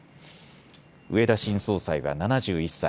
植田新総裁は７１歳。